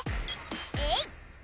「えい！」